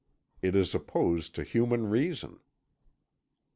It is opposed to human reason."